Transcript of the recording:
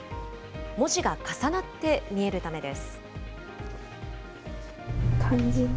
文字が重なって見えるためです。